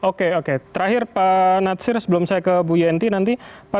hmm oke oke terakhir pak nadsir sebelum saya ke bu yanti nanti